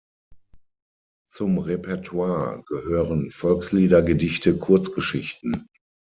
Zum Repertoire gehören Volkslieder, Gedichte, Kurzgeschichten.